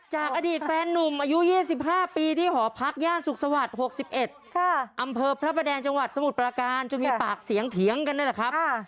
จากอดีตแฟนนุ่มอายุ๒๕ปีที่หอพักย่านสุขสวัสดิ์๖๑อำเภอพระประแดงจังหวัดสมุทรปราการจนมีปากเสียงเถียงกันนั่นแหละครับ